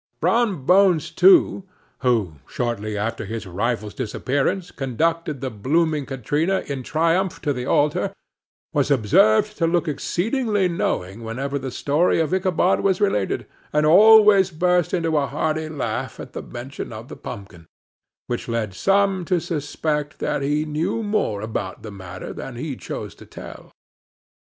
Brom Bones, too, who, shortly after his rival's disappearance conducted the blooming Katrina in triumph to the altar, was observed to look exceedingly knowing whenever the story of Ichabod was related, and always burst into a hearty laugh at the mention of the pumpkin; which led some to suspect that he knew more about the matter than he chose to tell.